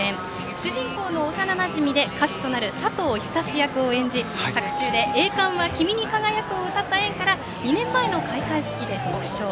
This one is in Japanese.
主人公の幼なじみで歌手となる佐藤久志役を演じ作中で「栄冠は君に輝く」を歌った縁から２年前の開会式で独唱。